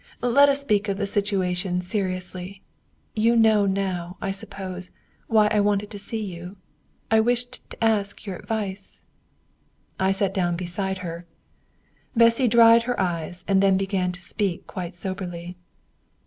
Let us speak of the situation seriously. You know now, I suppose, why I wanted to see you. I wished to ask your advice." I sat down beside her. Bessy dried her eyes, and then began to speak quite soberly.